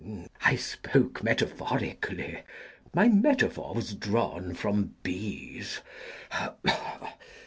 ] I spoke metaphorically.—My metaphor was drawn from bees.